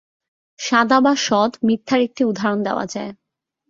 সাদা বা সৎ মিথ্যার একটা উদাহরণ দেওয়া যায়।